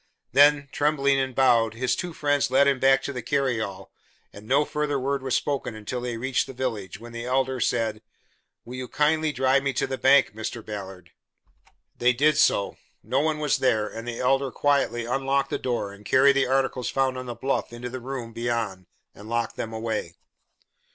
Then, trembling and bowed, his two friends led him back to the carryall and no further word was spoken until they reached the village, when the Elder said: "Will you kindly drive me to the bank, Mr. Ballard?" They did so. No one was there, and the Elder quietly unlocked the door and carried the articles found on the bluff into the room beyond and locked them away.